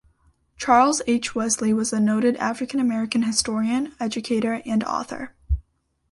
Charles H. Wesley was a noted African American historian, educator, and author.